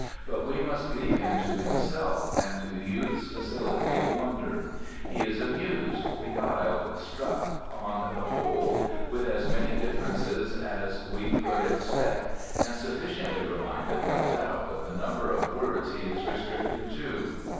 But we must leave him to himself and to youth's facility of wonder; he is amused, beguiled, struck on the whole with as many differences as we could expect, and sufficiently reminded, no doubt, of the number of words he is restricted to.